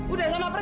udah sana pergi